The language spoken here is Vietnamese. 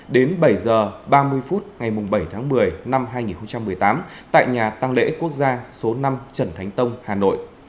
đến bảy h ba mươi phút ngày bảy tháng một mươi năm hai nghìn một mươi tám tại nhà tăng lễ quốc gia số năm trần thánh tông hà nội